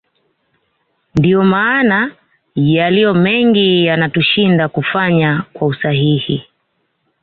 Ndio maana yaliyomengi yanatushinda kufanya kwa usahihi